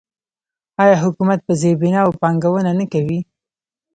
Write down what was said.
آیا حکومت په زیربناوو پانګونه نه کوي؟